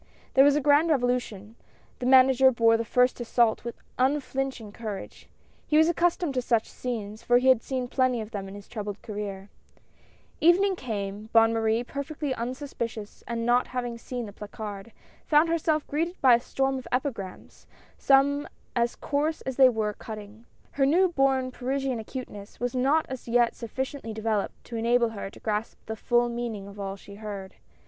There was a grand revolution ; the Manager bore the first assault with unflinching courage ; he Avas accus tomed to such scenes, for he had seen plenty of them in his troubled career. WARS AND RUMORS OF WARS. 155 Evening came ; Bonne Marie, perfectly unsuspicious and not having seen the placard, found herself greeted by a storm of epigrams, some as coarse as they were cutting. Her new born Parisian acuteness was not as yet sufficiently developed to enable her to grasp the full meaning of all she heard.